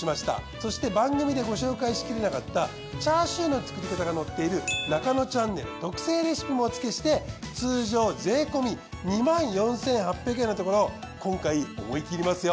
そして番組でご紹介しきれなかったチャーシューの作り方が載っているナカノチャンネル特製レシピもおつけして通常税込２４，８００円のところ今回思い切りますよ